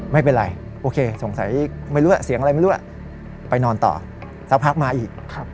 ไม่เป็นไรโอเคสงสัยไม่รู้เสียงอะไรไม่รู้ล่ะไปนอนต่อสักพักมาอีก